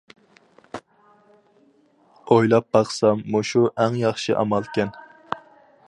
ئويلاپ باقسام مۇشۇ ئەڭ ياخشى ئامالكەن.